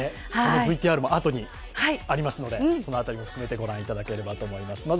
そのＶＴＲも後にありますので、その辺りも含めてご覧いただければと思います。